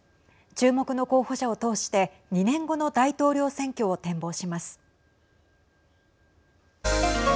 注目の候補者を通して２年後の大統領選挙を展望します。